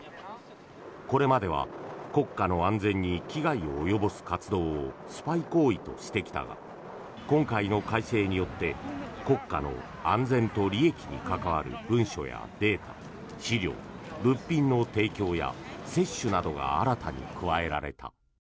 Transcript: これまでは国家の安全に危害を及ぼす活動をスパイ行為としてきたが今回の改正によって国家の安全と利益に関わる文書やデータ資料、物品の提供や窃取などが新たに加えられた。